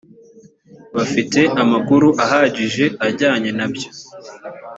bafite amakuru ahagije ajyanye na byo